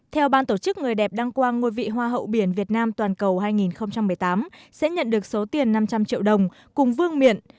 theo ban tổ chức người đẹp đăng quang ngôi vị hoa hậu biển việt nam toàn cầu hai nghìn một mươi tám sẽ nhận được số tiền năm trăm linh triệu đồng cùng vương miện